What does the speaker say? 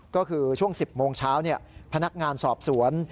ก็คือช่วง๑๐โมงเช้าพนักงานสอบสวน